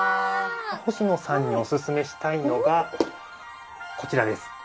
ほしのさんにおすすめしたいのがこちらです。